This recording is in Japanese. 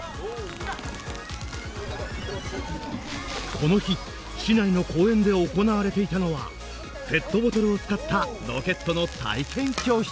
この日市内の公園で行われていたのはペットボトルを使ったロケットの体験教室。